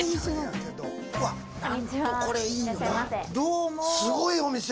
うわすごいお店。